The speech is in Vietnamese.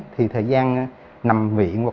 thì thời gian nằm viện hoặc là trở nên yếu hơn